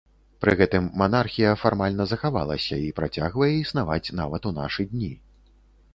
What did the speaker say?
Пры гэтым манархія фармальна захавалася і працягвае існаваць нават у нашы дні.